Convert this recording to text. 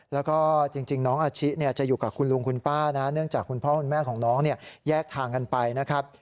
แล้วก็จริงน้องอาชิจะอยู่กับคุณลุงคุณป้านะเนื่องจากคุณพ่อคุณแม่ของน้องเนี่ยแยกทางกันไปนะครับ